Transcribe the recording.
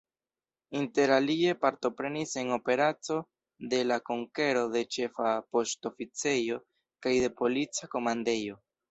Interalie partoprenis en operaco de la konkero de Ĉefa Poŝtoficejo kaj de Polica Komandejo.